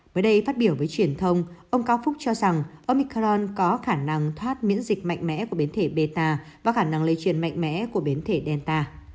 mới đây phát biểu với truyền thông ông cao phúc cho rằng omicron có khả năng thoát miễn dịch mạnh mẽ của biến thể bea và khả năng lây truyền mạnh mẽ của biến thể delta